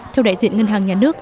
theo đại diện ngân hàng nhà nước